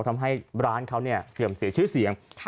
ทำให้ร้านเขาเสื่อมเสียชื่อเสียง